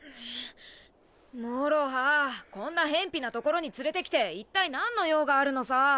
もろはこんな辺鄙な所に連れてきて一体なんの用があるのさ？